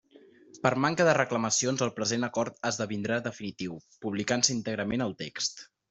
Per manca de reclamacions el present acord esdevindrà definitiu, publicant-se íntegrament el text.